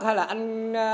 hay là anh